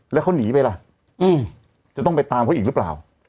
แล้วเขาหนีไปล่ะจะต้องไปตามเขาอีกหรือเปล่า